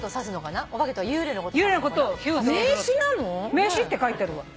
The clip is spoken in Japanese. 名詞って書いてあるわ。